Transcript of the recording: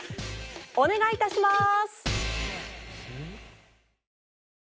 お願い致します。